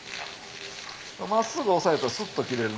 真っすぐ押さえるとスッと切れる。